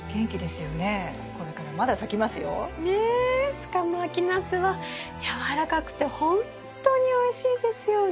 しかも秋ナスは軟らかくてほんとにおいしいですよね！